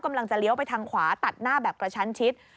กำลังจะเลี้ยวไปทางขวาตัดหน้าแบบกระชันชิด